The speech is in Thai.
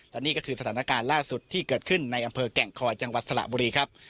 และนี่ก็คือสถานการณ์ล่าสุดที่เกิดขึ้นในอำเภอแก่งคอยจังหวัดสระบุรีครับ